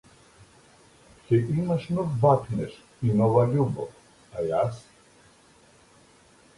Ќе имаш нов бакнеж и нова љубов, а јас?